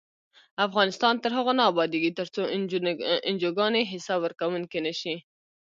افغانستان تر هغو نه ابادیږي، ترڅو انجوګانې حساب ورکوونکې نشي.